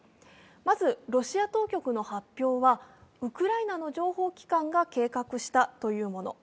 まずロシア当局の発表は、ウクライナの情報機関が計画したというもの。